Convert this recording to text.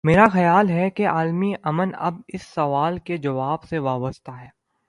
میرا خیال ہے کہ عالمی ا من اب اس سوال کے جواب سے وابستہ ہے۔